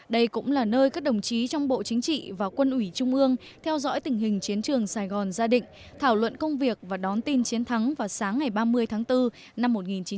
đây cũng là nơi các đồng chí trong bộ chính trị và quân ủy trung ương theo dõi tình hình chiến trường sài gòn gia đình thảo luận công việc và đón tin chiến thắng vào sáng ngày ba mươi tháng bốn năm một nghìn chín trăm bảy mươi năm